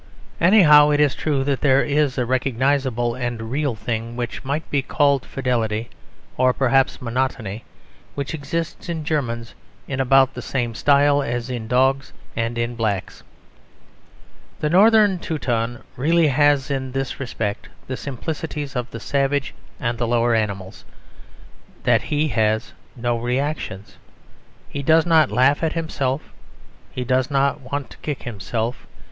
Anyhow, it is true that there is a recognisable and real thing which might be called fidelity (or perhaps monotony) which exists in Germans in about the same style as in dogs and niggers. The North Teuton really has in this respect the simplicities of the savage and the lower animals; that he has no reactions. He does not laugh at himself. He does not want to kick himself.